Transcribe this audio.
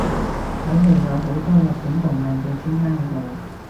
睇嚟有好多日本動漫嘅專家喺度